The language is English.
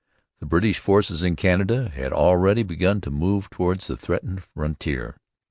The British forces in Canada had already begun to move towards the threatened frontier.